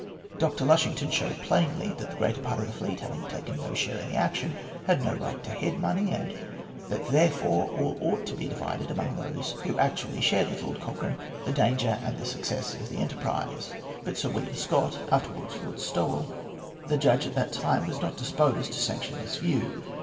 Dr. Lushington showed plainly that the greater part of the fleet, having taken no share in the action, had no right to head money, and that therefore all ought to be divided among those who actually shared with Lord Cochrane the danger and the success of the enterprise. But Sir William Scott (afterwards Lord Stowell), the judge at that time, was not disposed to sanction this view.